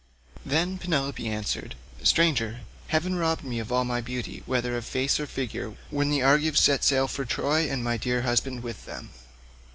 Then Penelope answered, "Stranger, heaven robbed me of all beauty, whether of face or figure, when the Argives set sail for Troy and my dear husband with them.